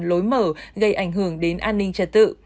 lối mở gây ảnh hưởng đến an ninh trật tự